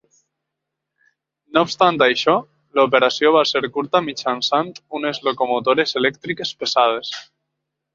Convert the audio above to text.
No obstant això, l'operació va ser curta mitjançant unes locomotores elèctriques pesades.